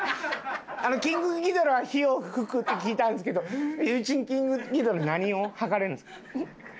キングギドラは火を吹くって聞いたんですけどゆびチンキングギドラは何を吐かれるんですか？